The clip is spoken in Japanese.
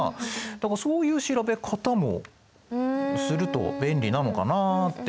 だからそういう調べ方もすると便利なのかなって。